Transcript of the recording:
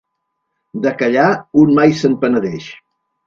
De callar, un mai se'n penedeix.